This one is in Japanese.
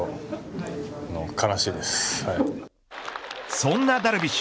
そんなダルビッシュ